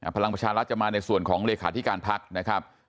พลังประชารัฐจะมาในส่วนของเลขาธิการพักนะครับ